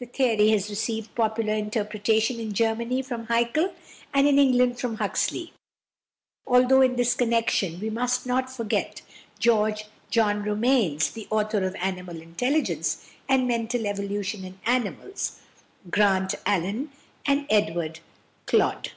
The theory has received popular interpretation in Germany from Haeckel, and in England from Huxley, although in this connection we must not forget =George John Romanes (1848 1894)=, the author of "Animal Intelligence" and "Mental Evolution in Animals," Grant Allen, and Edward Clodd.